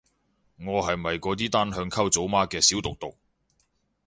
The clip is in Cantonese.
我係咪嗰啲單向溝組媽嘅小毒毒